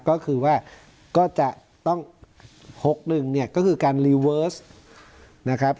ก็คือว่าก็จะต้องหกหนึ่งเนี่ยก็คือการนะครับ